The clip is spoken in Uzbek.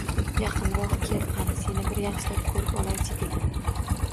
- Yaqinroq kel, qani, seni bir yaxshilab ko‘rib olay-chi, — dedi